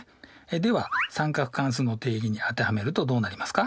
では三角関数の定義に当てはめるとどうなりますか？